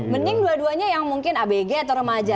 mending dua duanya yang mungkin abg atau remaja